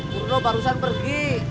purno barusan pergi